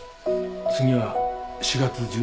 次は４月１６日。